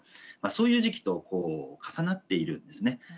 そういう時期と重なっているんですね。